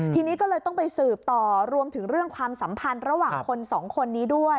ทีนี้ก็เลยต้องไปสืบต่อรวมถึงเรื่องความสัมพันธ์ระหว่างคนสองคนนี้ด้วย